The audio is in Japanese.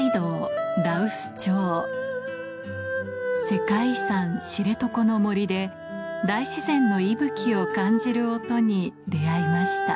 世界遺産知床の森で大自然の息吹を感じる音に出会いました